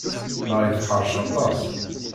Marie teḥṛec aṭas.